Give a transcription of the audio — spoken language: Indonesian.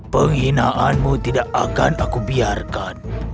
penghinaanmu tidak akan aku biarkan